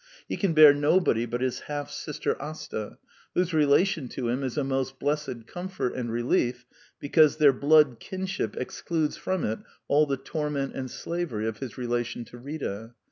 He can bear nobody but his half sister Asta, whose relation to him is a most blessed comfort and relief because their blood kinship excludes from it all the torment and slavery of his relation to Rita.